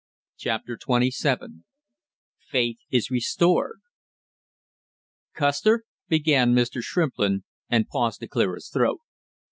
CHAPTER TWENTY SEVEN FAITH IS RESTORED "Custer " began Mr. Shrimplin, and paused to clear his throat.